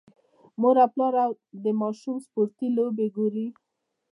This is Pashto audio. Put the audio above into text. مور او پلار د ماشوم سپورتي لوبې ګوري.